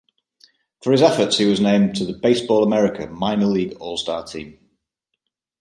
For his efforts he was named to the "Baseball America" minor league all-star team.